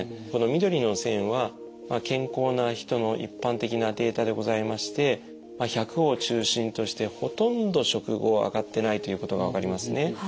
この緑の線は健康な人の一般的なデータでございまして１００を中心としてほとんど食後上がってないということが分かりますね。